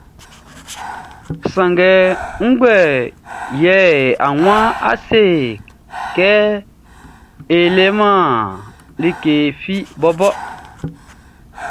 Sanngɛ ngue yɛ e waan é sé kɛ e leman like fi bɔbɔ ɔ?